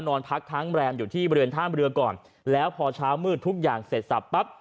นอนพักค้างแรมอยู่ที่บริเวณท่ามเรือก่อนแล้วพอเช้ามืดทุกอย่างเสร็จสับปั๊บ